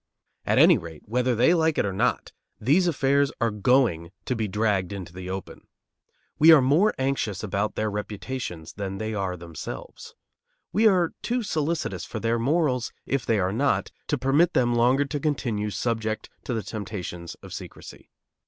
At any rate, whether they like it or not, these affairs are going to be dragged into the open. We are more anxious about their reputations than they are themselves. We are too solicitous for their morals, if they are not, to permit them longer to continue subject to the temptations of secrecy.